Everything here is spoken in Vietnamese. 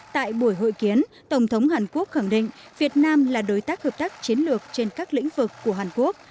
tại buổi hội kiến tổng thống hàn quốc khẳng định việt nam là đối tác hợp tác chiến lược trên các lĩnh vực của hàn quốc